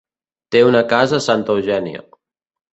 Té una casa a Santa Eugènia.